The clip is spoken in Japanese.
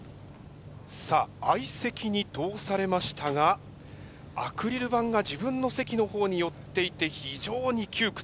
さあ相席に通されましたがアクリル板が自分の席の方に寄っていて非常に窮屈。